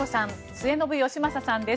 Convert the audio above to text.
末延吉正さんです。